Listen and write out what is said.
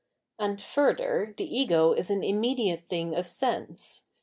And, further, the ego is an immediate thing of sense.